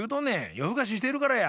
よふかししてるからや。